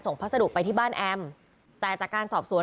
รวมถึงเมื่อวานี้ที่บิ๊กโจ๊กพาไปคุยกับแอมท์ท่านสถานหญิงกลาง